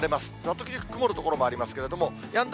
時々曇る所もありますけれども、やんだ